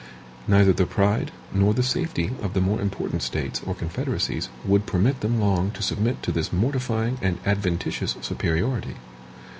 Neither the pride nor the safety of the more important States or confederacies would permit them long to submit to this mortifying and adventitious superiority.